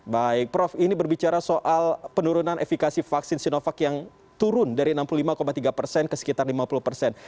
baik prof ini berbicara soal penurunan efikasi vaksin sinovac yang turun dari enam puluh lima tiga persen ke sekitar lima puluh persen